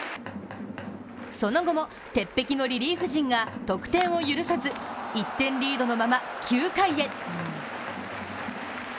その後も鉄壁のリリーフ陣が得点を許さず１点リードのまま９回へ。